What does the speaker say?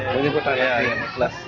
menjemput anak kelas